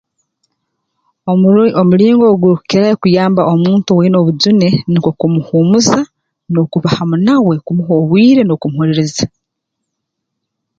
Omur omulingo ogurukukirayo kuyamba omuntu weena owaine obujune nukwo kumuhuumuza n'okuba hamu nawe kumuha obwire n'okumuhuliriza